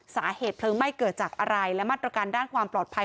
สาเหตุเพลิงไหม้เกิดจากอะไรและมาตรการด้านความปลอดภัย